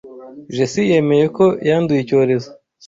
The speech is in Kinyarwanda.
Jessie yemeye ko yanduye icyorezo